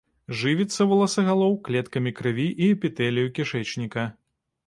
Жывіцца воласагалоў клеткамі крыві і эпітэлію кішэчніка.